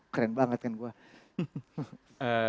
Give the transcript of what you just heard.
keren banget kan gue